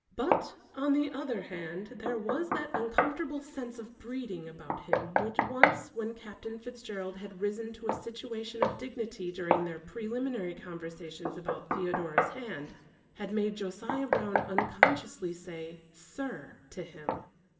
But, on the other hand, there was that uncomfortable sense of breeding about him which once, when Captain Fitzgerald had risen to a situation of dignity during their preliminary conversations about Theodora's hand, had made Josiah Brown unconsciously say "Sir" to him.